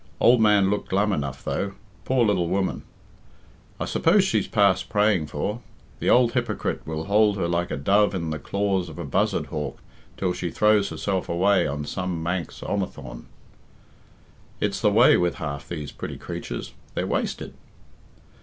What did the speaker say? Old man looked glum enough, though. Poor little woman. I suppose she's past praying for. The old hypocrite will hold her like a dove in the claws of a buzzard hawk till she throws herself away on some Manx omathaun. It's the way with half these pretty creatures they're wasted."